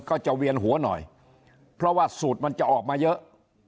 ก็จะเวียนหัวหน่อยเพราะว่าสูตรมันจะออกมาเยอะ